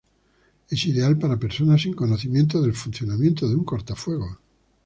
Es ideal para personas sin conocimientos del funcionamiento de un cortafuegos.